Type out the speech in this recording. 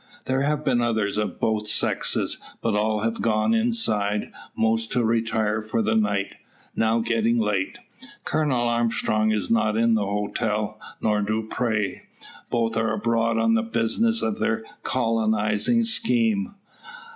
There have been others of both sexes, but all have gone inside; most to retire for the night, now getting late. Colonel Armstrong is not in the hotel, nor Dupre. Both are abroad on the business of their colonising scheme.